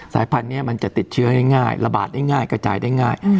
พันธุ์นี้มันจะติดเชื้อง่ายระบาดได้ง่ายกระจายได้ง่าย